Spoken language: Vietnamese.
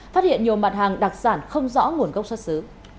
phát hiện nhiều mặt hàng đặc sản không rõ nguồn gốc xuất xứ